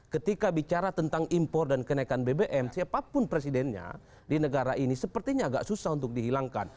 ketika bicara tentang impor dan kenaikan bbm siapapun presidennya di negara ini sepertinya agak susah untuk dihilangkan